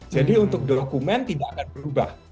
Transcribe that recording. jadi untuk dokumen tidak akan berubah